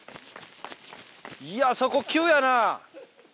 いやそこ急やな。